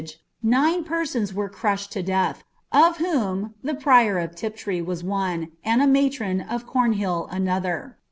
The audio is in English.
e ninr persons were crushed to death, of whom the prior of Tip '1,1?! I'di .nnd a matron of Cornhdl another.'"